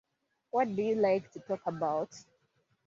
What do you like to talk about?